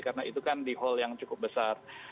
karena itu kan di hall yang cukup besar